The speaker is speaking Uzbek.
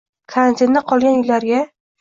karantinda qolgan uylarga